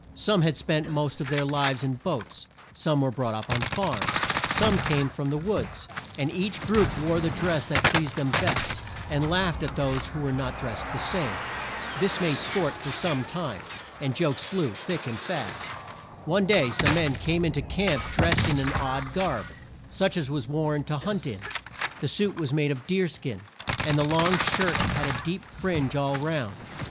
Some had spent the most of their lives in boats, some were brought up on farms, some came from the woods, and each group wore the dress that pleased them best, and laughed at those who were not drest the same. This made sport for some time and jokes flew thick and fast. One day some men came in to camp drest in an odd garb, such as was worn to hunt in. The suit was made of deer skin, and the long shirt had a deep fringe all round.